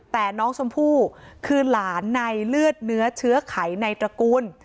แต่น้องชมพู่คือหลานในเลือดเนื้อเชื้อไขในตระกูล